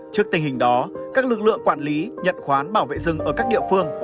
trước tình hình đó các lực lượng quản lý nhận khoán bảo vệ rừng ở các địa phương